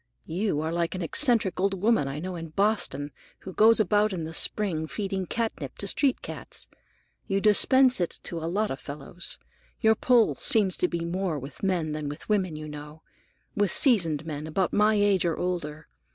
You are like an eccentric old woman I know in Boston, who goes about in the spring feeding catnip to street cats. You dispense it to a lot of fellows. Your pull seems to be more with men than with women, you know; with seasoned men, about my age, or older.